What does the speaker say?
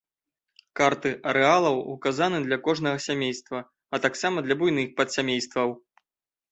Карты арэалаў указаны для кожнага сямейства, а таксама для буйных падсямействаў.